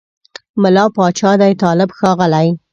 مُلا پاچا دی طالب ښاغلی